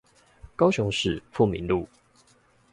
高雄市富民路